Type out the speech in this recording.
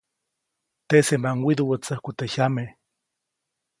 Teʼsemaʼuŋ widuʼwätsäjku teʼ jyame.